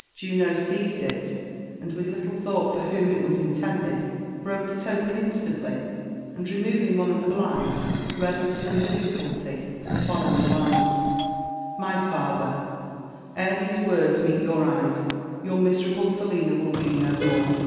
Juno seized it, and with little thought for whom it was in tended, broke it open instantly, and, remoying one of the blinds, read with some difiBculty the following lines :My father, ere these words meet yonr eyes, your miserable Selina will be no more.